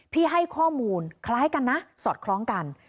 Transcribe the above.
ให้ข้อมูลคล้ายกันนะสอดคล้องกัน